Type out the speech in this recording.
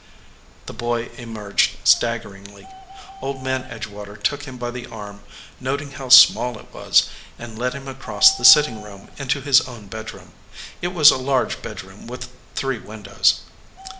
The boy emerged staggeringly. Old Man Edge water took him by the arm, noting how small it was, and led him across the sitting room into his ov/n bedroom. It was a large bedroom with three windows.